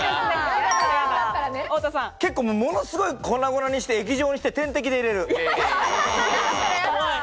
結構ものすごい粉々にして液状にして点滴で入れる。